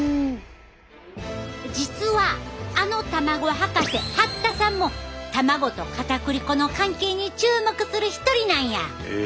実はあの卵博士八田さんも卵とかたくり粉の関係に注目する一人なんや！